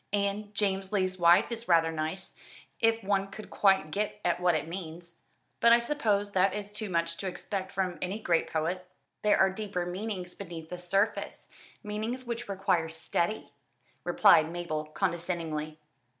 And 'James Lee's Wife' is rather nice, if one could quite get at what it means. But I suppose that is too much to expect from any great poet?" "There are deeper meanings beneath the surface meanings which require study," replied Mabel condescendingly.